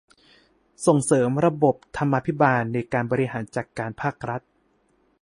ส่งเสริมระบบธรรมาภิบาลในการบริหารจัดการภาครัฐ